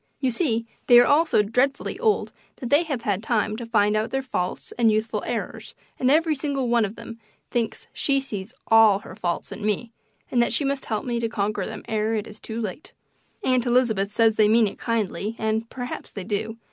You see, they are all so dreadfully old that they have had time to find out their faults and youthful errors, and every single one of them thinks she sees ALL her faults in me, and that she must help me to conquer them ere it is too late. Aunt Elizabeth says they mean it kindly, and perhaps they do.